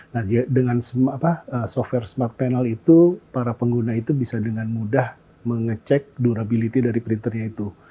nah dengan software smart panel itu para pengguna itu bisa dengan mudah mengecek durability dari printernya itu